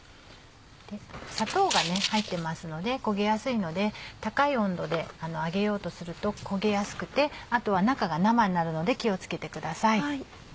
砂糖が入ってますので焦げやすいので高い温度で揚げようとすると焦げやすくてあとは中が生になるので気を付けてください。